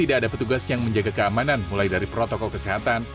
tidak ada petugas yang menjaga keamanan mulai dari protokol kesehatan